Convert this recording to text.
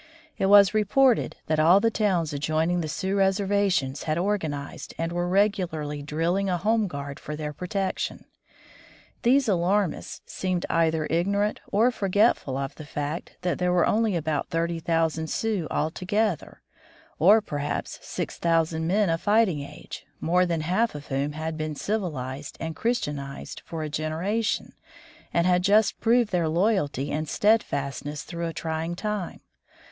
It was reported that all the towns adjoining the Sioux reservations had organized and were regularly drilling a home guard for their protection. These alarmists seemed 118 War with the Politicians either ignorant or forgetful of the fact that there were only about thirty thousand Sioux altogether, or perhaps six thousand men of fighting age, more than half of whom had been civilized and Christianized for a genera tion and had just proved their loyalty and steadfastness through a trying time.